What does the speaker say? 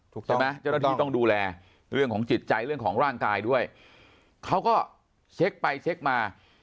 ใช่ไหมเจ้าหน้าที่ต้องดูแลเรื่องของจิตใจเรื่องของร่างกายด้วยเขาก็เช็คไปเช็คมา